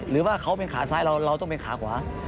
หรือว่าเขาเป็นขาซ้ายเราเราต้องเป็นขาขวา